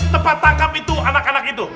tempat tangkap itu anak anak itu